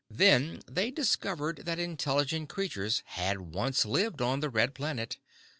Then they discovered that intelligent creatures had once lived on the Red Planet.